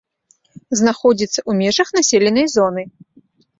Знаходзіцца ў межах населенай зоны.